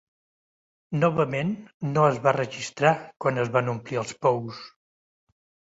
Novament, no es va registrar quan es van omplir els pous.